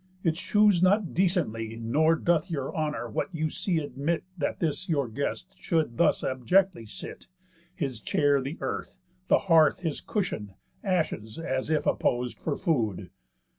It shews not decently, Nor doth your honour what you see admit, That this your guest should thus abjectly sit, His chair the earth, the hearth his cushion, Ashes as if appos'd for food.